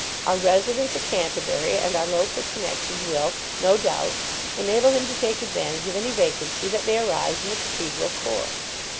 Our residence at Canterbury, and our local connexion, will, no doubt, enable him to take advantage of any vacancy that may arise in the Cathedral corps.